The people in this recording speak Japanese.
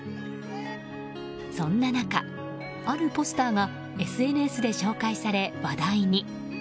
そんな中、あるポスターがＳＮＳで紹介され、話題に。